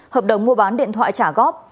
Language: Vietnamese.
hợp đồng mua bán điện thoại trả góp